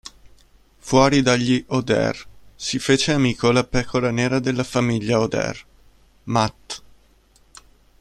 Fuori dagli O'Dare, si fece amico la "pecora nera" della famiglia O'Dare, Matt.